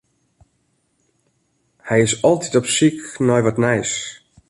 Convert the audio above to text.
Hy is altyd op syk nei wat nijs.